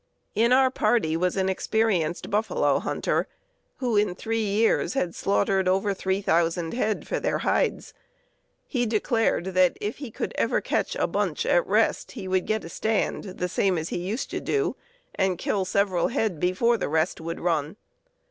In our party was an experienced buffalo hunter, who in three years had slaughtered over three thousand head for their hides. He declared that if he could ever catch a "bunch" at rest he could "get a stand" the same as he used to do, and kill several head before the rest would run.